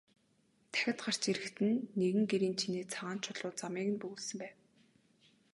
Дахиад гарч ирэхэд нь нэгэн гэрийн чинээ цагаан чулуу замыг нь бөглөсөн байв.